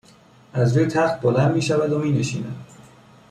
از روی تخت بلند میشود و مینشیند